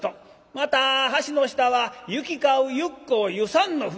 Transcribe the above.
また橋の下は行き交う遊行遊山の船。